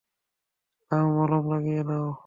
নাও মলম লাগিয়ে নাও।